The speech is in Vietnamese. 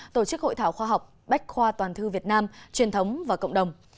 tổ chức hội thảo khoa học bách khoa toàn thư việt nam truyền thống và cộng đồng